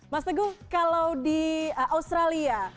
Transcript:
mas teguh kalau di australia